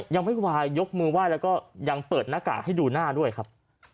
ยังไม่วายยกมือไหว้แล้วก็ยังเปิดหน้ากากให้ดูหน้าด้วยครับ